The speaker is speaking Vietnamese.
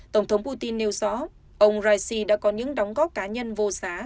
tổng thống putin nêu rõ ông raisi đã có những đóng góp cá nhân vô giá